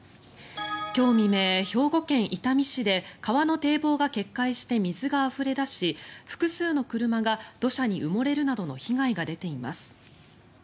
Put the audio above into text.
今日未明、兵庫県伊丹市で川の堤防が決壊して水があふれ出し複数の車が土砂に埋もれるなどの被害が出ています。